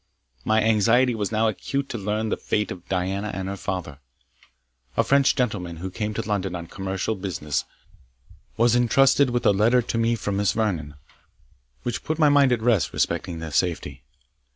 My anxiety was now acute to learn the fate of Diana and her father. A French gentleman who came to London on commercial business, was intrusted with a letter to me from Miss Vernon, which put my mind at rest respecting their safety.